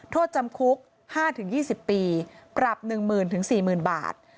โทษจำคุก๕๒๐ปีปรับ๑๐๐๐๔๐๐๐บาท